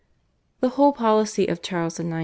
The whole policy of Charles IX.